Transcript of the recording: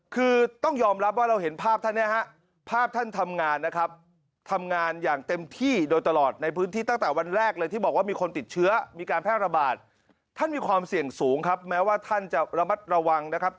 คือต้องยอมรับว่าเราเห็นภาพท่านเนี่ยฮะ